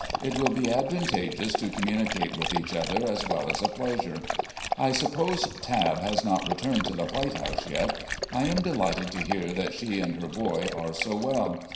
It will be advantageous to communicate with each other, as well as a pleasure. I suppose Tabb has not returned to the White House yet. I am delighted to hear that she and her boy are so well.